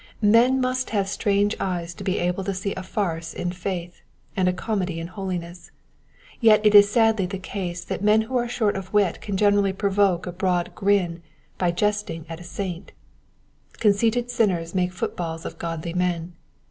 Men must have strange eyes to be able to see a farce in faith, and a comedy in holiness ; yet it is sadly the case that men who are short of wit can generally provoke a broad grin by jesting at a saint. Conceited sinners make footballs of godly men.